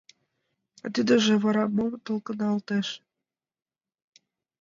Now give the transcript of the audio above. А тидыже вара мо толкыналтеш?..